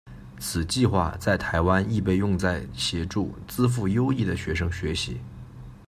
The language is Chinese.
此计画在台湾亦被用在协助资赋优异的学生学习。